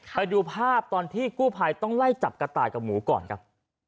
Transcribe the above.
ไปดูภาพตอนที่กู้ภัยต้องไล่จับกระต่ายกับหมูก่อนครับ